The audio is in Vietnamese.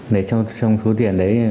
lấy trong số tiền lấy